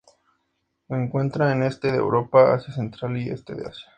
Se encuentra en este de Europa, Asia Central y este de Asia.